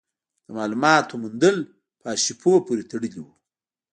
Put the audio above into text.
د مالوماتو موندل په ارشیفونو پورې تړلي وو.